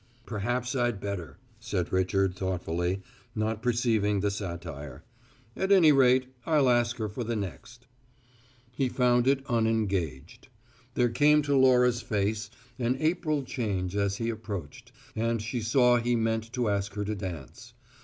"Perhaps I'd better," said Richard thoughtfully, not perceiving the satire. "At any rate, I'll ask her for the next." He found it unengaged. There came to Laura's face an April change as he approached, and she saw he meant to ask her to dance.